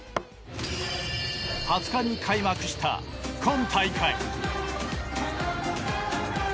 ２０日に開幕した今大会。